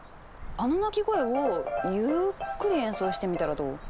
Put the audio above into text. あの鳴き声をゆっくり演奏してみたらどう？